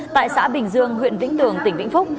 tại xã bình dương huyện vĩnh tường tỉnh vĩnh phúc